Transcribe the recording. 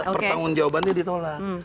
pertanggung jawabannya ditolak